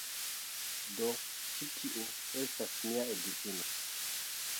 Do, ĉi tiu estas mia edzino.